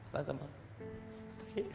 saya akan membunuh kamu